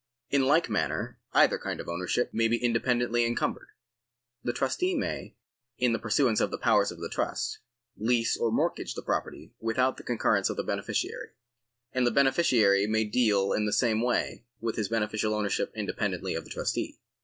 In like manner, either kind of ownership may be independently encumbered. The trustee may, in pursuance of the powers of the trust, lease or mortgage the property with out the concurrence of the beneficiaiy ; and the beneficiary may deal in the same way with his beneficial ownership independently of the trustee.